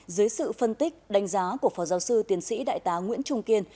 dưới sự phân tích đánh giá của phó giáo sư tiến sĩ đại tá nguyễn trung kiên